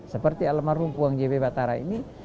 seperti alamar rumpuang jb batara ini